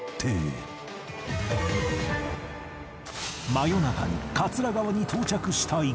真夜中に桂川に到着した一行